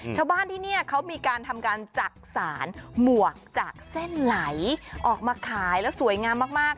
ชาวบ้านที่นี่เขามีการทำการจักษานหมวกจากเส้นไหลออกมาขายแล้วสวยงามมาก